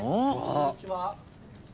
・こんにちは。